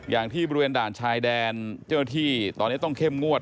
อย่างที่บริเวณด่านชายแดนเจ้าหน้าที่ตอนนี้ต้องเข้มงวด